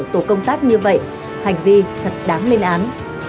tổ công tác như vậy hành vi thật đáng lên án